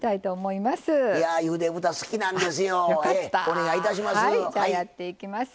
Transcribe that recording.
お願いいたします。